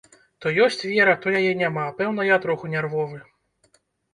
То ёсць вера, то яе няма, пэўна я троху нервовы.